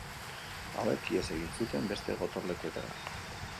Hauek ihes egin zuten beste gotorlekuetara.